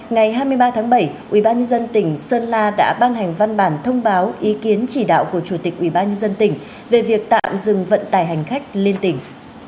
ngày hai mươi ba tháng bảy ubnd tỉnh sơn la đã ban hành văn bản thông báo ý kiến chỉ đạo của chủ tịch ubnd tỉnh về việc tạm dừng vận tải hành khách liên tỉnh